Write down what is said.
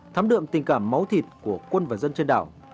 thám đượm tình cảm máu thịt của quân và dân trên đảo